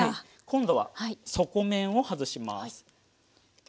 今度は底面を外します。